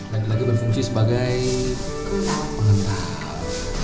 lagi lagi berfungsi sebagai pengendara